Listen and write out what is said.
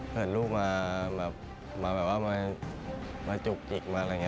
เห็นลูกมาแบบว่ามาจุกจิกมาอะไรอย่างนี้